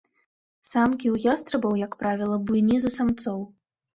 Самкі ў ястрабаў, як правіла, буйней за самцоў.